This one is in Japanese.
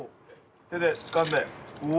手でつかんでうお！